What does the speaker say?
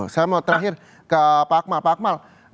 saya mau terakhir ke pak akmal